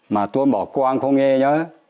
mà tôi bảo quang không nghe nhớ